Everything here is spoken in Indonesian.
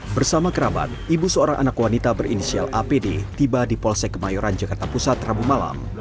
bersama kerabat ibu seorang anak wanita berinisial apd tiba di polsek kemayoran jakarta pusat rabu malam